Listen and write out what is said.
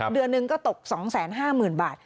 เดือนหนึ่งก็ตก๒๕๐๐๐บาท